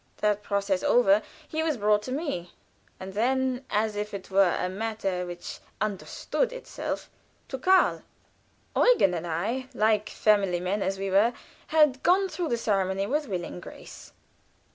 That process over, he was brought to me, and then, as if it were a matter which "understood itself," to Karl. Eugen and I, like family men, as we were, had gone through the ceremony with willing grace.